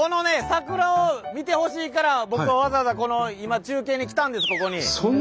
桜を見てほしいから僕はわざわざ今中継に来たんですここに。